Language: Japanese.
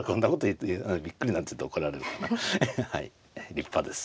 立派です。